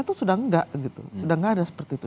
itu sudah enggak gitu sudah nggak ada seperti itu